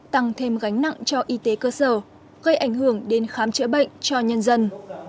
tăng thêm gánh nặng cho y tế cơ sở gây ảnh hưởng đến khám chữa bệnh cho nhân dân